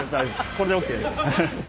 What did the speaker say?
これでＯＫです。